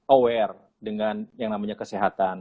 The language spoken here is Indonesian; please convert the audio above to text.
aware dengan yang namanya kesehatan